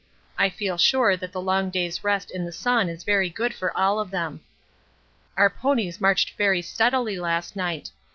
I feel sure that the long day's rest in the sun is very good for all of them. Our ponies marched very steadily last night.